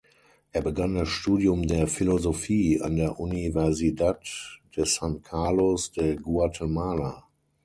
Er begann das Studium der Philosophie an der Universidad de San Carlos de Guatemala.